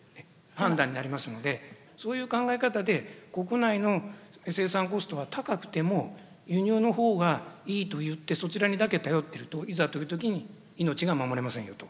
判断になりますのでそういう考え方で国内の生産コストは高くても「輸入の方がいい」といってそちらにだけ頼っているといざという時に命が守れませんよと。